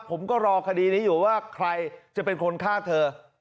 ผมก็รอคดีนี้อยู่ว่าใครจะเป็นคนฆ่าเธอ